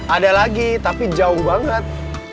ada lagi tapi jauh banget